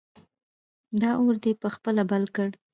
دا اور دې په خپله بل کړ!